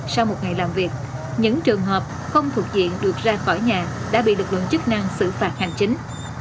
sau một ngày làm việc những trường hợp không thuộc diện được ra khỏi nhà đã bị lực lượng chức năng xử phạt hành chính